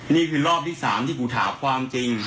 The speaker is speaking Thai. นี่คือรอบที่๓ที่กูถามความจริง